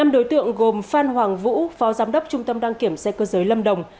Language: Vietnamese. năm đối tượng gồm phan hoàng vũ phó giám đốc trung tâm đăng kiểm xe cơ giới lâm đồng